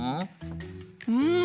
うん。